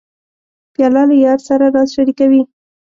پیاله له یار سره راز شریکوي.